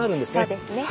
そうですね。